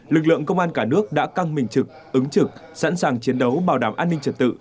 lực lượng công an cả nước đã căng mình trực ứng trực sẵn sàng chiến đấu bảo đảm an ninh trật tự